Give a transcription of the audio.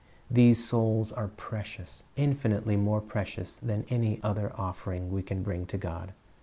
These souls are precious, infinitely more precious than any other offering we can bring to God.